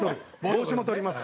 帽子も取ります。